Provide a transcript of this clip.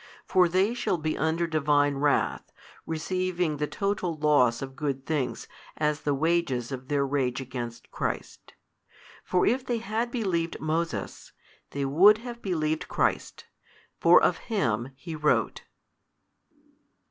For they shall be under Divine wrath, receiving the total loss of good things as the wages of their rage against Christ. For if they had believed Moses, they would have believed Christ, for of Him he wrote.